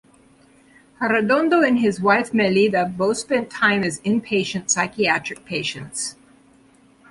Arredondo and his wife Melida both spent time as inpatient psychiatric patients.